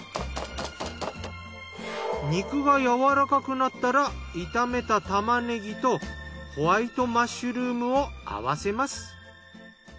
肉がやわらかくなったら炒めた玉ねぎとホワイトマッシュルームを合わせます。